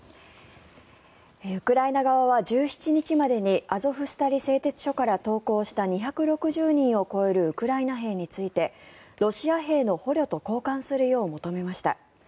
ウクライナ側は１７日までにアゾフスタリ製鉄所から投降した２６０人を超えるウクライナ兵についてロシア兵の捕虜と交換するよう求めました。